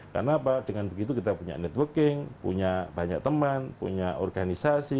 karena apa dengan begitu kita punya networking punya banyak teman punya organisasi